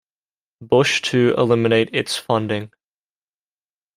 Bush to eliminate its funding.